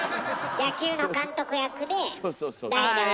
野球の監督役で「代打、オレ」。